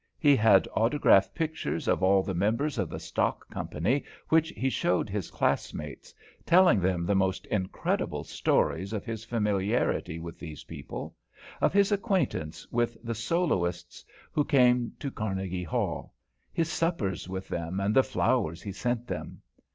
He had autograph pictures of all the members of the stock company which he showed his classmates, telling them the most incredible stories of his familiarity with these people, of his acquaintance with the soloists who came to Carnegie Hall, his suppers with them and the flowers he sent them.